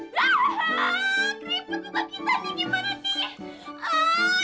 keribut juga kita nih gimana nanti